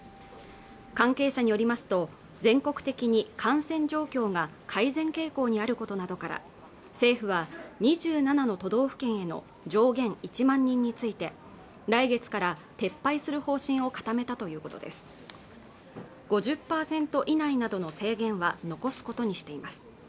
関係者によりますと全国的に感染状況が改善傾向にあることなどから政府は２７の都道府県への上限１万人について来月から撤廃する方針を固めたということです５０％以内などの制限は残すことにしています